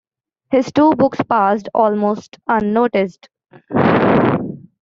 His two books passed almost unnoticed.